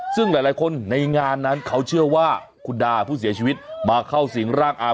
ซึ่งหลายคนในงานนั้นเขาเชื่อว่าคุณดาผู้เสียชีวิตมาเข้าสิงร่างอาม